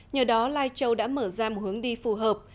nhờ đó lai châu đã mở ra một hướng đi phù hợp